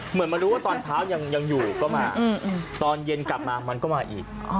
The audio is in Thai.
เหมือนมารู้ว่าตอนเช้ายังอยู่ก็มาตอนเย็นกลับมามันก็มาอีก